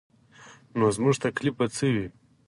نو زموږ تکلیف به څه وي.